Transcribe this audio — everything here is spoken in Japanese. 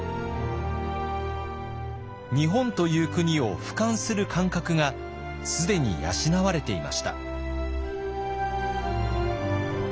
日本という国をふかんする感覚が既に養われていました。